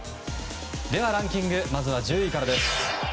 ではランキングまず１０位からです。